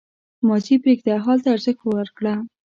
• ماضي پرېږده، حال ته ارزښت ورکړه.